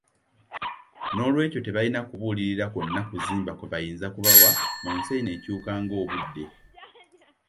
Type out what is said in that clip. N'olwekyo tebalina kubuulirira kwonna kuzimba kwebayinza kubawa mu eno ensi ekyuka ng'obudde.